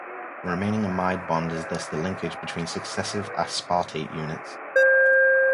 The remaining amide bond is thus the linkage between successive aspartate units.